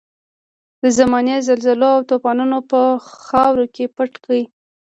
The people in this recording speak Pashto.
د زمانې زلزلو او توپانونو په خاورو کې پټ کړ.